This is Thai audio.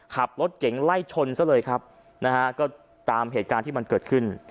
ขับรถเก่งไล่ชนซะเลยครับนะฮะก็ตามเหตุการณ์ที่มันเกิดขึ้น